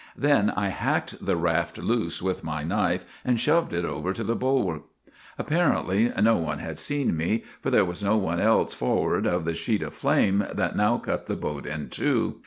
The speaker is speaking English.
" Then I hacked the raft loose with my knife and shoved it over to the bulwark. Apparently no one had seen me, for there was no one else forward of the sheet of flame that now cut the boat in two.